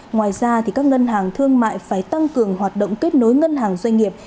ngoài ra các ngân hàng thương mại phải tăng cường hoạt động kết nối ngân hàng doanh nghiệp